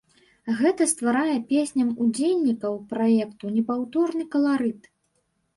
Гэта стварае песням удзельнікаў праекту непаўторны каларыт.